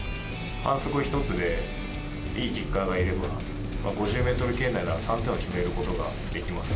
反則１つでいいキッカーがいえば、５０メートル圏内なら３点を決めることができます。